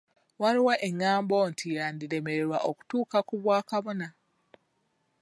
Waaliwo engambo nti yandiremererwa okutuuka ku bwa kabona.